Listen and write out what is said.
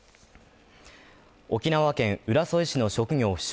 沖縄県浦添市の職業不詳